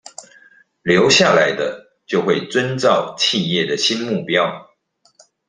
留下來的就會遵照企業的新目標